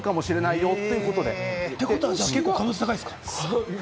ってことは可能性は高いですか？